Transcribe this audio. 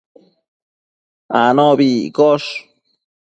anobi iccosh